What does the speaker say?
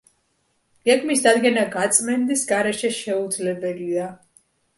გეგმის დადგენა გაწმენდის გარეშე შეუძლებელია.